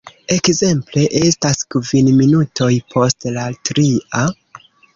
Ekzemple: "Estas kvin minutoj post la tria.